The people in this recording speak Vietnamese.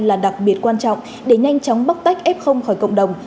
là đặc biệt quan trọng để nhanh chóng bóc tách f khỏi cộng đồng